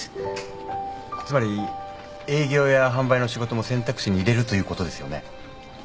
つまり営業や販売の仕事も選択肢に入れるということですよね。